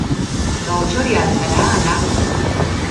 Gautxoria al zara, ala?